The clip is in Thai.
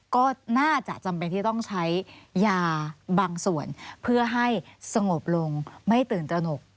ก็น่าจะจำเป็นที่ต้องใช้ยาบางส่วนเพื่อให้สงบลงไม่ตื่นตระหนก